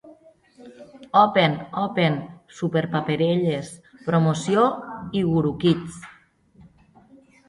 Open, Open Superparelles, Promoció i Gurukids.